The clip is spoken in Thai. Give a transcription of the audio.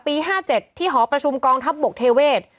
๕๗ที่หอประชุมกองทัพบกเทเวศ